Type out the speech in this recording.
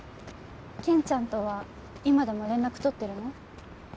ケンちゃんとは今でも連絡取ってるの？